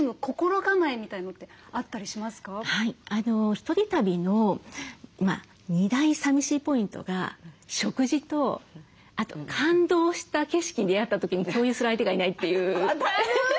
１人旅の２大寂しいポイントが食事とあと感動した景色に出会った時に共有する相手がいないっていう。